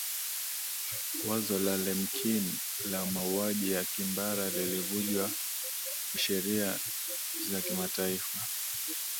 wazo la lemkin la mauaji ya kimbari lilivunjwa sheria za kimataifa